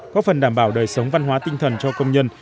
có phần đảm bảo đời sống văn hóa tinh thần cho công nhân